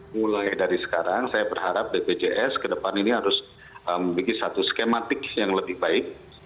mulai dari sekarang saya berharap bpjs ke depan ini harus membuat satu skematik yang lebih baik